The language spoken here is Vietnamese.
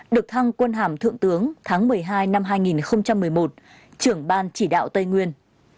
được thăng quân hàm thượng tướng tháng một mươi hai năm hai nghìn một mươi một